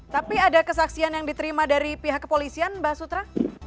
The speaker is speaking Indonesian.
tapi ada kesaksian yang diterima dari pihak kepolisian mbak sutra